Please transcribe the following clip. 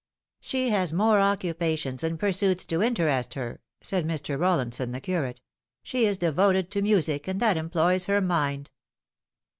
" She has more occupations and pursuits to interest her," said Mr. Rollinson, the curate. " She is devoted to music, and that employs her mind."